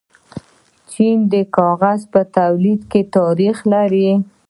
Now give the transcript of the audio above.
چین د کاغذ په تولید کې تاریخ لري.